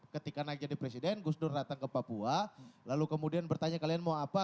ketika naik jadi presiden gus dur datang ke papua lalu kemudian bertanya kalian mau apa